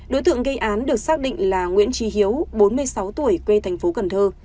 đối tượng gây án được xác định là nguyễn trí hiếu bốn mươi sáu tuổi quê thành phố cần thơ